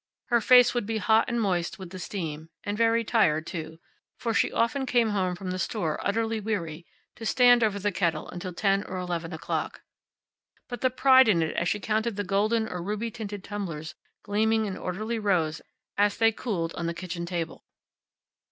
Her face would be hot and moist with the steam, and very tired too, for she often came home from the store utterly weary, to stand over the kettle until ten or eleven o'clock. But the pride in it as she counted the golden or ruby tinted tumblers gleaming in orderly rows as they cooled on the kitchen table!